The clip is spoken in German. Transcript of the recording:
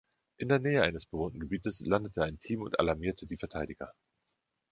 In der Nähe eines bewohnten Gebietes landete ein Team und alarmierte die Verteidiger.